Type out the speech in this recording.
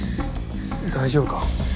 大丈夫か？